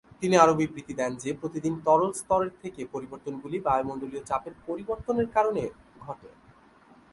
তিনি আরও বিবৃতি দেন যে প্রতিদিন তরল স্তরের থেকে পরিবর্তনগুলি বায়ুমণ্ডলীয় চাপের পরিবর্তনের কারণে ঘটে।